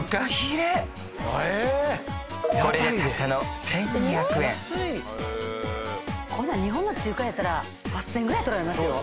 これがたったの１２００円こんなん日本の中華やったら８０００円ぐらい取られますよ